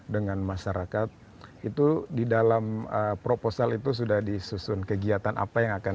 dengan masyarakat itu di dalam proposal itu sudah disusun kegiatan apa yang akan